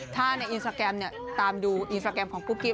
ถ้าในอินสตราแกรมตามดูอินสตราแกรมของกุ๊กกิ๊